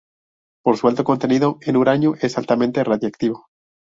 Por su alto contenido en uranio es altamente radiactivo.